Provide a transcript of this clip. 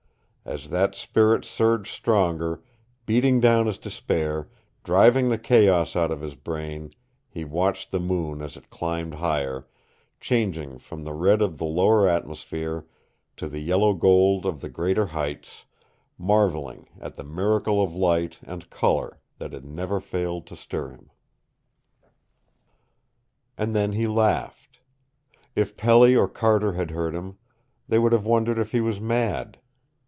As that spirit surged stronger, beating down his despair, driving the chaos out of his brain, he watched the moon as it climbed higher, changing from the red of the lower atmosphere to the yellow gold of the greater heights, marveling at the miracle of light and color that had never failed to stir him. And then he laughed. If Pelly or Carter had heard him, they would have wondered if he was mad.